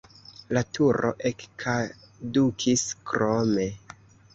La turo ekkadukis krome.